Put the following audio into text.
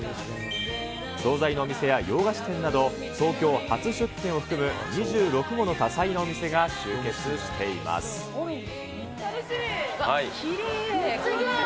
総菜のお店や洋菓子店など、東京初出店を含む２６もの多彩なきれい。